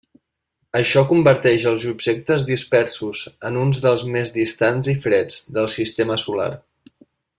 Això converteix els objectes dispersos en uns dels més distants i freds del sistema solar.